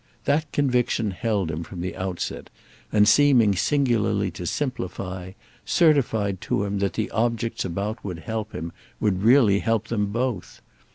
That conviction held him from the outset, and, seeming singularly to simplify, certified to him that the objects about would help him, would really help them both.